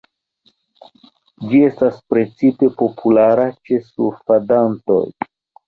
Ĝi estas precipe populara ĉe surfadantoj.